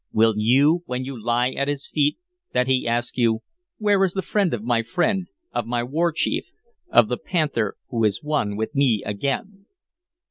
Will you, when you lie at his feet, that he ask you, 'Where is the friend of my friend, of my war chief, of the Panther who is one with me again?'"